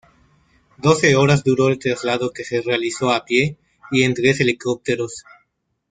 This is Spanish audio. Doce horas duro el traslado que se realizó a pie y en tres helicópteros.